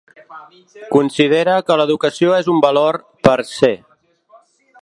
Considera que l'educació és un valor 'per se'.